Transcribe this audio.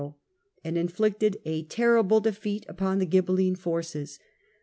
of Castile and inflicted a terrible defeat upon the Ghibeline forces.